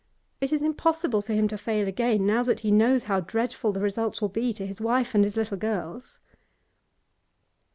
It is impossible for him to fail again, now that he knows how dreadful the results will be to his wife and his little girls.